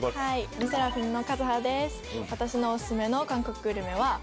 ＬＥＳＳＥＲＡＦＩＭのＫＡＺＵＨＡです。